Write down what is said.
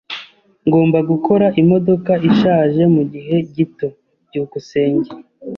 Ngomba gukora imodoka ishaje mugihe gito. byukusenge